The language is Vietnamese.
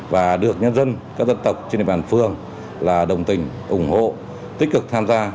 và được nhân dân các dân tộc trên địa bàn phường là đồng tình ủng hộ tích cực tham gia